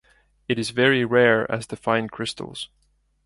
It is very rare as defined crystals.